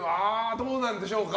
どうなんでしょうか。